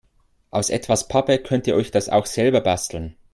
Aus etwas Pappe könnt ihr euch das auch selber basteln.